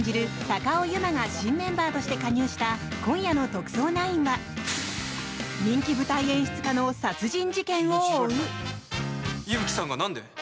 高尾由真が新メンバーとして加入した今夜の「特捜９」は人気舞台演出家の殺人事件を追う！